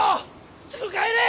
すぐ帰れ！